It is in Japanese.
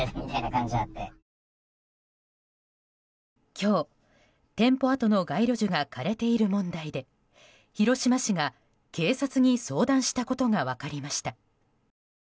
今日、店舗跡の街路樹が枯れている問題で広島市が警察に相談したことが分かりました。